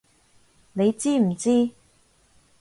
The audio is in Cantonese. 你知唔知！